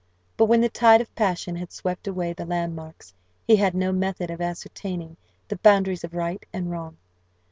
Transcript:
But when the tide of passion had swept away the landmarks, he had no method of ascertaining the boundaries of right and wrong.